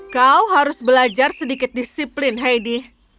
kau harus belajar sedikit disiplin heidi